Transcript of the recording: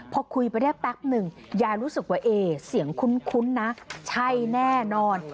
พอคุยไปได้แป๊บหนึ่งยายรู้สึกว่าเอ๊เสียงคุ้นนะใช่แน่นอน